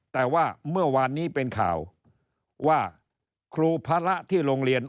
แต่ว่าเมื่อวานนี้เป็นข่าวว่าครูพระที่โรงเรียน